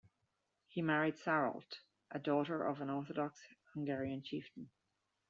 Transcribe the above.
He married Sarolt, a daughter of an Orthodox Hungarian chieftain.